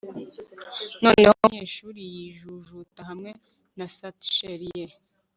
noneho, umunyeshuri wijujuta hamwe na satchel ye